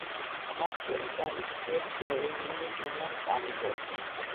მათ შორის არის ერთი ეროვნული ენა სანგო.